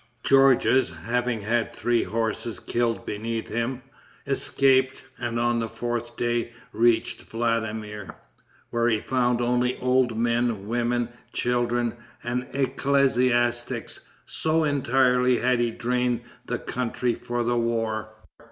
Georges having had three horses killed beneath him, escaped, and on the fourth day reached Vladimir, where he found only old men, women, children and ecclesiastics, so entirely had he drained the country for the war.